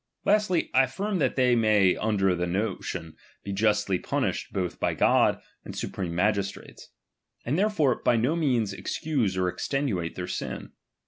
Lastly, I affirm that they may under that notion be justly punished both by God, and supreme magistrates ; and therefore by no means excuse or ex tenuate this sin.